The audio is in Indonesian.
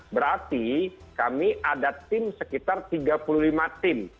berarti kami ada tim sekitar tiga puluh lima tim